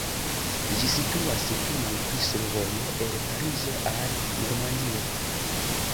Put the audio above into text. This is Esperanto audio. Ĝi situas pli malpli survoje el Parizo al Normandio.